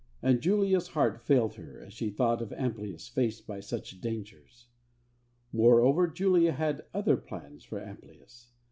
And Julia's heart failed her as she thought of Amplius faced by such dangers. Moreover, Julia had other plans for Amplius.